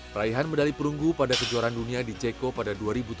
peraihan medali perunggu pada kejuaraan dunia di ceko pada dua ribu tujuh belas